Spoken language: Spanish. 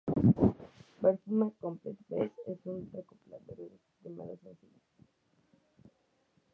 Perfume ~Complete Best~ es un recopilatorio de sus primeros sencillos.